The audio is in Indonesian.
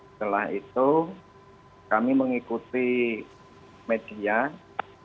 setelah itu kami mengikuti media